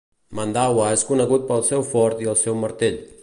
Mandawa és conegut pel seu fort i el seu martell.